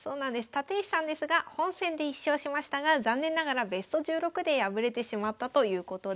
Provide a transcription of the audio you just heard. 立石さんですが本戦で１勝しましたが残念ながらベスト１６で敗れてしまったということです。